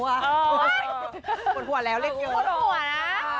อ๊ะปวดหัวแล้วเล่นเกียวมากปวดหัวนะ